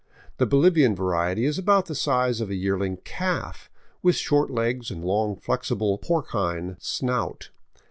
The Bolivian variety is about the size of a yearling calf, with short legs and a long, flexible, porcine snout.